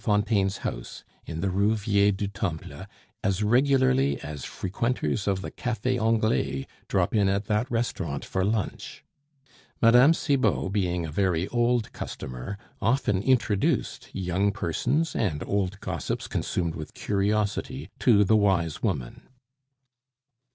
Fontaine's house in the Rue Vieille du Temple as regularly as frequenters of the Cafe Anglais drop in at that restaurant for lunch. Mme. Cibot, being a very old customer, often introduced young persons and old gossips consumed with curiosity to the wise woman.